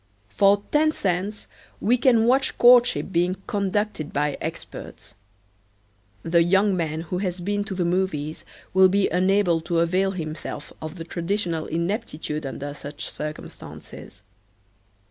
For ten cents we can watch courtship being conducted by experts. The young man who has been to the movies will be unable to avail himself of the traditional ineptitude under such circumstances.